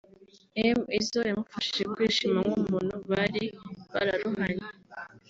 M Izzo yamufashije kwishima nk’umuntu bari bararuhanye